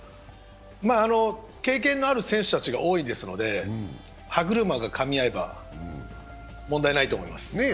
経験のある選手たちが多いですので、歯車がかみ合えば、問題ないと思います。